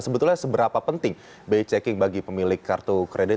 sebetulnya seberapa penting bi checking bagi pemilik kartu kredit